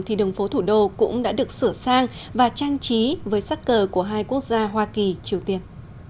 thì đường phố thủ đô cũng đã được sửa sang và trang trí với sắc cờ của hai quốc gia hoa kỳ triều tiên